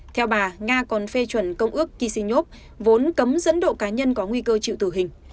theo bà nga còn phê chuẩn công ước kýsinov vốn cấm dẫn độ cá nhân có nguy cơ chịu tử hình